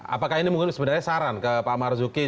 apakah ini mungkin sebenarnya saran ke pak marus giyali